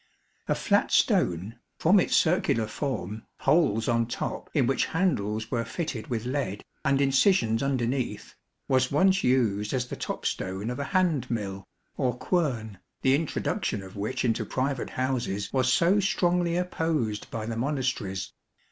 A flat stone (from its circular form, holes on top in which handles were fitted with lead, and incisions under neath), was once used as the top stone of a hand mill, or quern, the introduction of which into private houses was so strongly opposed by the Monasteries.